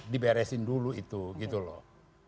diberesin dulu itu gitu loh